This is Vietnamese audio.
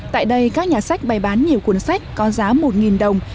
tại đây các nhà sách bày bán nhiều cuốn sách có giá một đồng